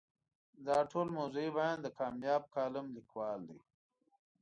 دا ټول موضوعي بیان د کامیاب کالم لیکوال دی.